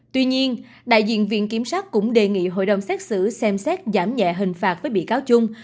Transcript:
tuy nhiên đại diện viện kiểm sát cũng đề nghị hội đồng xét xử xem xét giảm nhẹ hình phạt với bị cáo trung